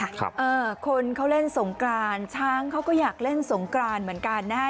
ครับเออคนเขาเล่นสงกรานช้างเขาก็อยากเล่นสงกรานเหมือนกันนะฮะ